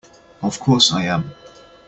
Of course I am!